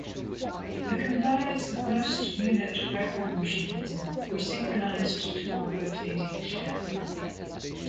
The components of most unit record machines were synchronized to a rotating shaft.